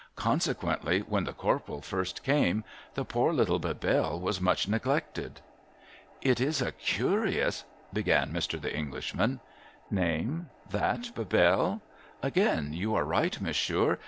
Consequently, when the Corporal first came, the poor little Bebelle was much neglected.' ' It is a curious ' began Mr. The Englishman. ' Name ? That Bebelle ? Again you are right, monsieur.